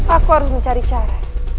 aku harus mencari cara